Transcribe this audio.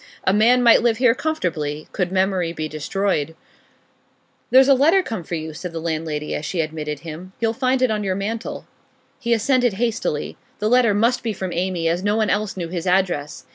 A man might live here comfortably could memory be destroyed. 'There's a letter come for you,' said the landlady as she admitted him. 'You'll find it on your mantel.' He ascended hastily. The letter must be from Amy, as no one else knew his address.